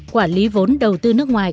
quản lý vốn đầu tư nước ngoài